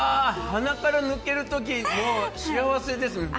鼻から抜ける時、幸せですね。